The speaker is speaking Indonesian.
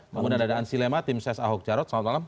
kemudian ada ansi lema tim ses ahok jarot selamat malam